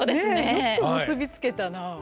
よく結び付けたなあ。